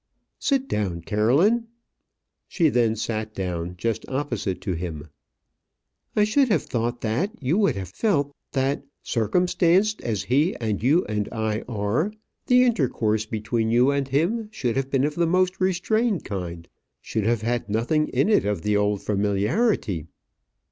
"Sit down, Caroline." She then sat down just opposite to him. "I should have thought that you would have felt that, circumstanced as he, and you, and I are, the intercourse between you and him should have been of the most restrained kind should have had in it nothing of the old familiarity."